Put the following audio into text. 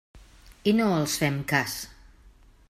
I no els fem cas.